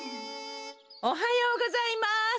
おはようございます。